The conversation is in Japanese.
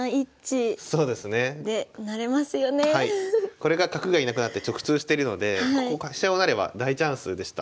これが角が居なくなって直通してるので飛車を成れば大チャンスでした。